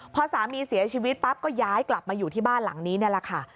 พอสามีเสียชีวิตปั๊บก็ย้ายกลับมาอยู่ที่บ้านหลังนี้นี่แหละค่ะ